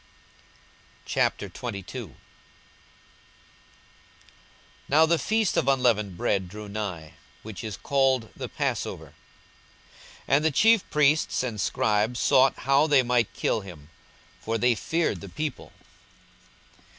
42:022:001 Now the feast of unleavened bread drew nigh, which is called the Passover. 42:022:002 And the chief priests and scribes sought how they might kill him; for they feared the people.